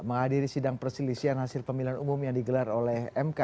menghadiri sidang perselisihan hasil pemilihan umum yang digelar oleh mk